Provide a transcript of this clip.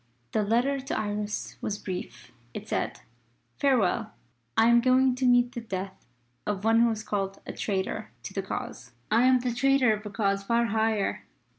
The letter to Iris was brief. It said: "Farewell! I am going to meet the death of one who is called a Traitor to the Cause. I am the Traitor of a Cause far higher.